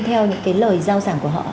theo những cái lời giao giảng của họ